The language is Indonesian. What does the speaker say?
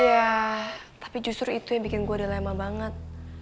iya tapi justru itu yang bikin gue dilema banget